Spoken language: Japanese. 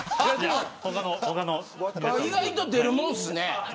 意外と出るもんですね。